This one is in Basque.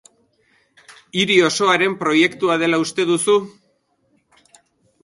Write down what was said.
Hiri osoaren proiektua dela uste duzu?